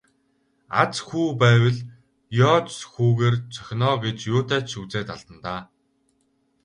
Аз хүү байвал ёоз хүүгээр цохино оо гэж юутай ч үзээд алдана даа.